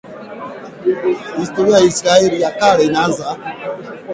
Historia ya Israeli ya Kale inaanza